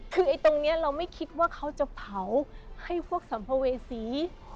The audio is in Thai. คือตรงนี้เราไม่คิดว่าเขาจะเผาให้พวกสัมภเวษี